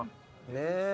ねえ。